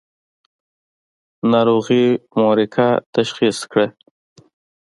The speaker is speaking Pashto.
ناروغي محرقه تشخیص کړه.